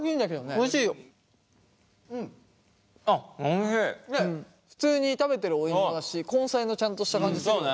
ねっ普通に食べてるお芋だし根菜のちゃんとした感じするよね。